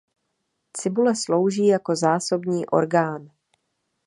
Cibule slouží jako zásobní orgán.